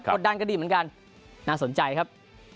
ดดันก็ดีเหมือนกันน่าสนใจครับ